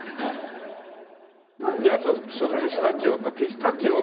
じゃあそのピスタチオ。